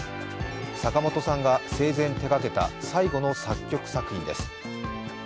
坂本さんが生前手がけた最後の作曲作品です。